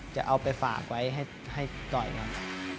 จะเอาไปฝากไว้ให้ต่อยกัน